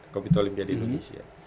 kopi tolim jadi indonesia